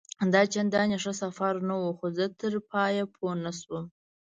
دا چنداني ښه سفر نه وو، خو زه تر پایه پوه نه شوم.